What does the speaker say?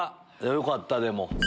よかったでも。